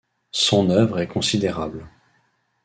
Son œuvre est considérable.